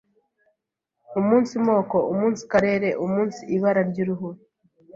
umunsi moko, umunsi karere, umunsi ibara ry’uruhu,